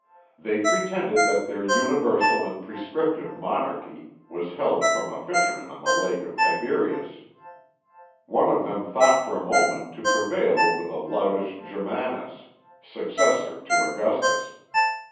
They pretended that their universal and prescriptive monarchy was held from a fisherman on the lake of Tiberias. One of them thought for a moment to prevail over the loutish Germanus, successor to Augustus.